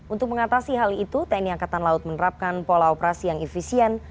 untuk mengatasi hal itu tni angkatan laut menerapkan pola operasi yang efisien